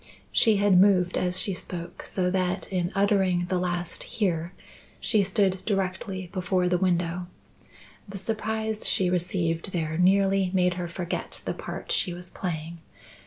She had moved as she spoke, so that in uttering the last "here," she stood directly before the window. The surprise she received there nearly made her forget the part she was playing.